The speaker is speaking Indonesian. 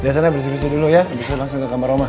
disana bersih bersih dulu ya besok langsung ke kamar omah